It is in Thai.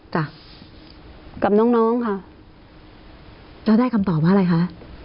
จ้ะกับน้องน้องค่ะแล้วได้คำตอบว่าอะไรคะ